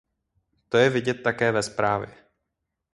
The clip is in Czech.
To je vidět také ve zprávě.